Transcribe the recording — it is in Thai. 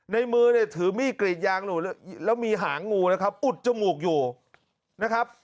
ในมือเนี่ยถือมีดกรีดยางอยู่แล้วมีหางงูนะครับอุดจมูกอยู่นะครับ